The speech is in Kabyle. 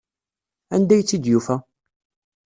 Anda ay tt-id-yufa?